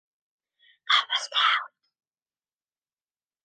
Double Stout"".